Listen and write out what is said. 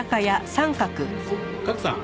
賀来さん